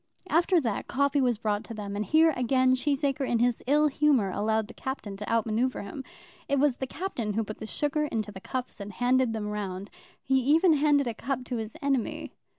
After that, coffee was brought to them, and here again Cheesacre in his ill humour allowed the Captain to out manoeuvre him. It was the Captain who put the sugar into the cups and handed them round. He even handed a cup to his enemy.